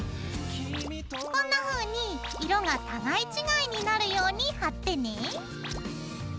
こんなふうに色が互い違いになるように貼ってね。